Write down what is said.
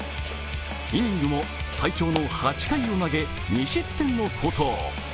イニングも最長の８回を投げ２失点の好投。